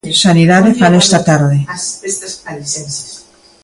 Sanidade fala esta tarde.